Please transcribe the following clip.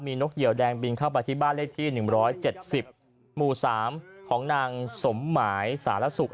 นกเหี่ยวแดงบินเข้าไปที่บ้านเลขที่๑๗๐หมู่๓ของนางสมหมายสารสุข